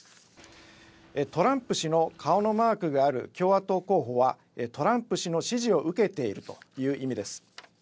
トランプ氏の顔のマークがある共和党候補はトランプ氏の支持を受けているという意味です。